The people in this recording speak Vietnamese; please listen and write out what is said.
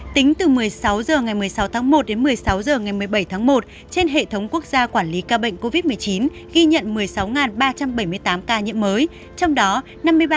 tính từ một mươi sáu h ngày một mươi sáu tháng một đến một mươi sáu h ngày một mươi bảy tháng một trên hệ thống quốc gia quản lý ca bệnh covid một mươi chín ghi nhận một mươi sáu ba trăm bảy mươi tám ca nhiễm mới